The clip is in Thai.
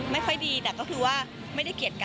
ไม่ค่อยดีแต่ก็คือว่าไม่ได้เกลียดกัน